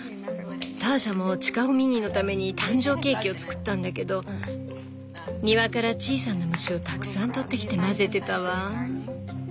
ターシャもチカホミニーのために誕生ケーキを作ったんだけど庭から小さな虫をたくさんとってきて混ぜてたわ。